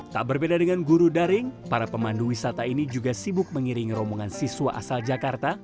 tak berbeda dengan guru daring para pemandu wisata ini juga sibuk mengiringi rombongan siswa asal jakarta